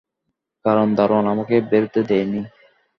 কারণ দারোয়ান আমাকে বেরুতে দেয় নি।